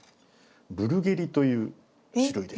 ブルゲリという種類です。